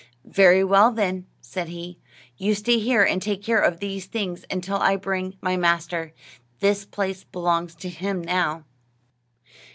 "Very well, then," said he, "you stay here and take care of these things until I bring my master. This place belongs to him now."